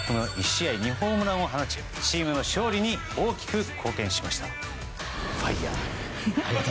１試合２ホームランを放ちチームの勝利に大きく貢献しました。